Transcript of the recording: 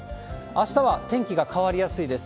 あしたは天気が変わりやすいです。